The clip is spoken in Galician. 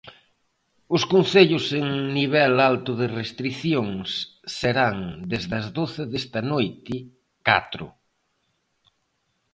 Os concellos en nivel alto de restricións, serán desde as doce desta noite catro.